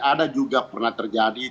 ada juga pernah terjadi